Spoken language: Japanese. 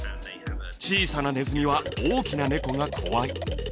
小さなネズミは大きなネコが怖い。